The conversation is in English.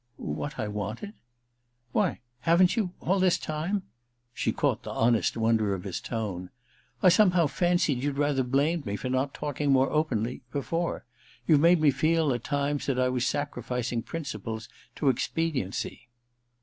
* What / wanted ?'* Why, haven't you — all this time ?' She caught the honest wonder of his tone. ^ I some how fancied you*d rather blamed me for not talking more openly — before . You almost made me feel, at times, that I was sacrificing principles to expediency.'